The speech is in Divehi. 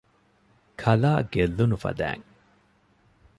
ކަލާ ގެއްލުނު ފަދައިން